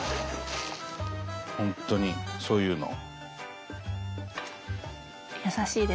本当にそういうの。